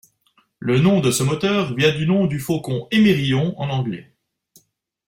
Le nom de ce moteur vient du nom du faucon émerillon en anglais.